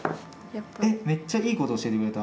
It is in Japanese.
めっちゃいいこと教えてくれた。